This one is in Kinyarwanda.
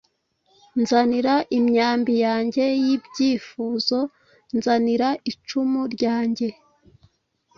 Nzanira imyambi yanjye y'ibyifuzo: Nzanira icumu ryanjye: